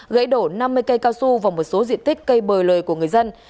gãy đổ năm mươi cây cao su và một số diện tích cây bời lời của người dân